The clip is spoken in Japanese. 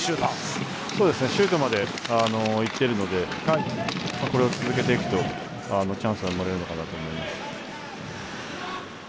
シュートまでいっているのでこれを続けていくとチャンスは生まれるのかなと思います。